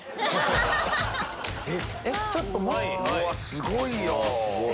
すごいよ！